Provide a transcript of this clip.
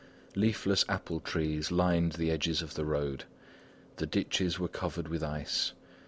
Leafless apple trees lined the edges of the road. The ditches were covered with ice.